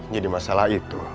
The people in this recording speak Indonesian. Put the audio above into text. jadi masalah itu